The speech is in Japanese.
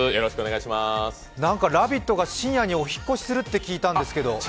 「ラヴィット！」が深夜にお引っ越しするって聞いたんですけど。